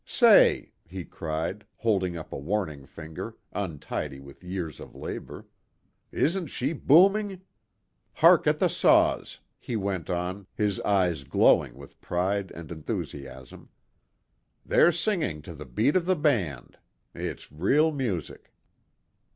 "Say," he cried, holding up a warning finger, untidy with years of labor, "isn't she booming? Hark at the saws," he went on, his eyes glowing with pride and enthusiasm. "They're singing to beat the band. It's real music."